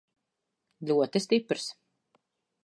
Ļoti stiprs.